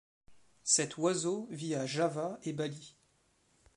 Cet oiseau vit à Java et Bali.